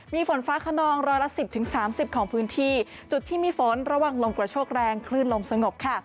มีฝนฟ้าขนองร้อยละ๑๐๓๐ของพื้นที่จุดที่มีฝนระวังลมกระโชคแรงคลื่นลมสงบค่ะ